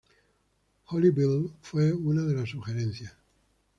Holy Bible fue una de las sugerencias.